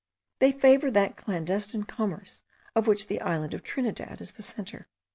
They favour that clandestine commerce of which the island of Trinidad is the centre.